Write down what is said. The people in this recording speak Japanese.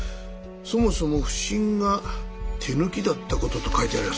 そもそも普請が手抜きだった事と書いてありやすね。